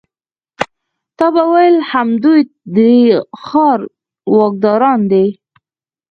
تا به ویل همدوی د دې ښار واکداران دي.